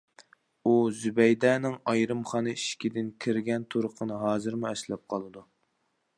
ئۇ زۇبەيدەنىڭ ئايرىمخانا ئىشىكىدىن كىرگەن تۇرقىنى ھازىرمۇ ئەسلەپ قالىدۇ.